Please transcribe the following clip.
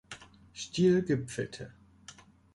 Stil gipfelte.